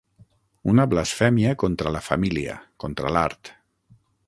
Una blasfèmia contra la família, contra l'art.